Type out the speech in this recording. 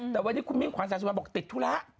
แต่วันนี้คุณมิ่งขวันแซนสวานบอกติดโทรละ